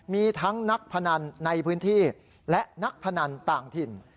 มีทั้งนักพนันในพื้นที่และนักพนันต่างถิ่น